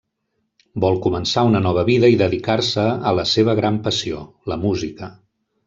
Vol començar una nova vida i dedicar-se a la seva gran passió: la música.